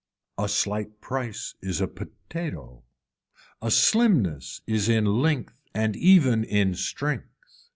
A slight price is a potatoe. A slimness is in length and even in strength.